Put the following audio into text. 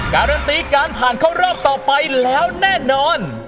การันตีการผ่านเข้ารอบต่อไปแล้วแน่นอน